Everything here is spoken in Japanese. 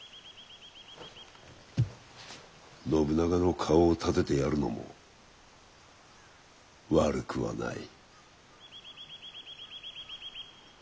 信長の顔を立ててやるのも悪くはない。